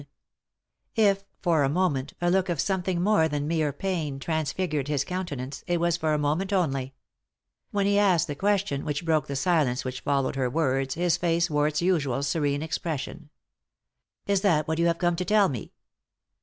296 3i 9 iii^d by Google THE INTERRUPTED KISS If, for a moment, a look of something more than mere pain transfigured his countenance, it was for a moment only. When he asked the question which broke the silence which followed her words his face wore its usual serene expression. " Is that what you have come to tell me